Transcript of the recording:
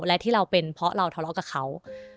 และที่เราเป็นเพราะเราทะเลาะกับเขา